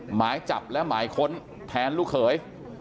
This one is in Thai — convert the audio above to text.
หมายจับและหมายค้นแทนลูกเขย